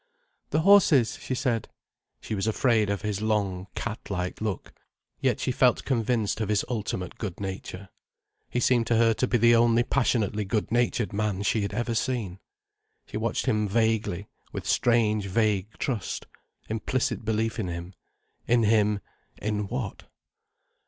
"The horses," she said. She was afraid of his long, cat like look. Yet she felt convinced of his ultimate good nature. He seemed to her to be the only passionately good natured man she had ever seen. She watched him vaguely, with strange vague trust, implicit belief in him. In him—in what?